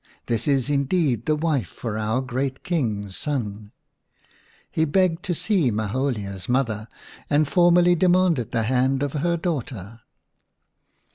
This is indeed the wife for our great King's son !" He begged to see Maholia's mother, and formally demanded the hand of her daughter.